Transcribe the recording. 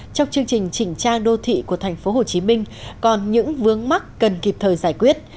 trong chương trình chỉnh trang đô thị của thành phố hồ chí minh còn những vướng mắt cần kịp thời giải quyết